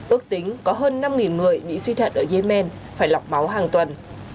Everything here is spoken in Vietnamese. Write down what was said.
ước tính có hơn năm người bị suy thận ở yemen phải lọc máu hàng tuần